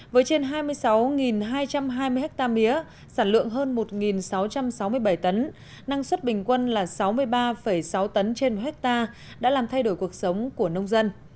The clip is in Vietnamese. với trên hai mươi sáu hai trăm hai mươi ha mía sản lượng hơn một sáu trăm sáu mươi bảy tấn năng suất bình quân là sáu mươi ba sáu tấn trên một hectare đã làm thay đổi cuộc sống của nông dân